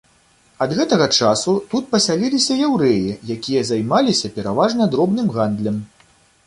Ад гэтага часу тут пасяліліся яўрэі, якія займаліся пераважна дробным гандлем.